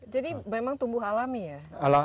jadi memang tumbuh alami ya